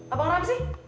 apa orangnya sih